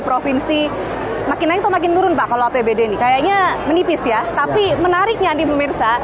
provinsi makin naik makin turun bakal apbd nih kayaknya menipis ya tapi menariknya di pemirsa